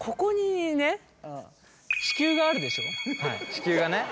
地球がね。